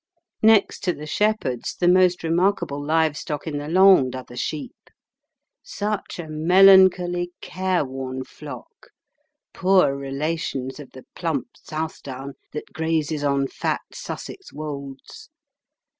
Next to the shepherds, the most remarkable live stock in the Landes are the sheep. Such a melancholy careworn flock! poor relations of the plump Southdown that grazes on fat Sussex wolds.